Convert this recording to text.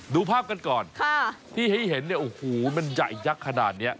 ดูภาพกันก่อนที่ให้เห็นเนี่ยโอ้โหมันใหญ่ยักษ์ขนาดนี้